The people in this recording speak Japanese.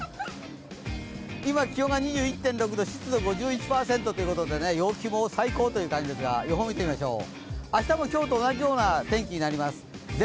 今、気温が２１．６度、湿度５１％ということで、陽気も最高ということですが予報を見ていきましょう。